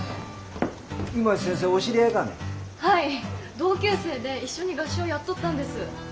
同級生で一緒に合唱やっとったんです。